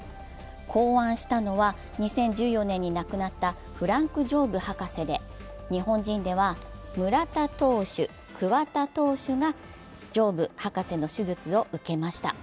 考案したのは２０１４年に亡くなったフランク・ジョーブ博士で、日本人では村田投手、桑田投手がジョーブ博士の手術を受けました。